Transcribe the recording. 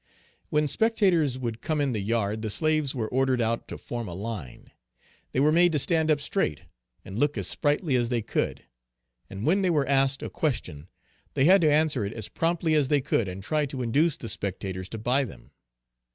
When spectators would come in the yard, the slaves were ordered out to form a line. They were made to stand up straight, and look as sprightly as they could; and when they were asked a question, they had to answer it as promptly as they could, and try to induce the spectators to buy them.